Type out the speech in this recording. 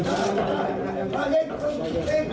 ทั้งเวลายากขึ้น